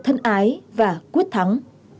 ái và quyết thắng